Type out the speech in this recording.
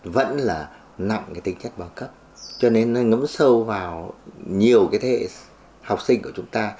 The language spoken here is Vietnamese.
vẫn là nặng cái tính chất bao cấp cho nên nó ngấm sâu vào nhiều cái thế hệ học sinh của chúng ta